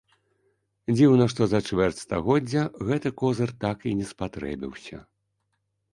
Дзіўна, што за чвэрць стагоддзя гэты козыр так і не спатрэбіўся.